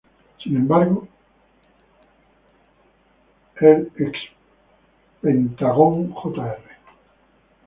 Sin embargo, el ex Pentagón Jr.